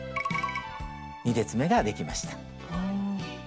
２列めができました。